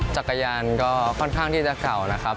จักรยานก็ค่อนข้างที่จะเก่านะครับ